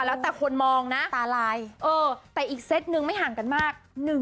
แล้วแต่คนมองนะตาลายแต่อีกเซตนึงไม่ห่างกันมาก